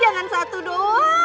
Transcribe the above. jangan satu doang